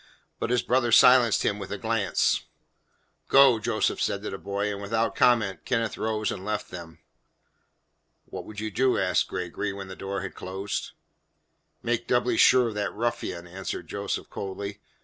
But his brother silenced him with a glance. "Go," Joseph said to the boy. And, without comment, Kenneth rose and left them. "What would you do?" asked Gregory when the door had closed. "Make doubly sure of that ruffian," answered Joseph coldly.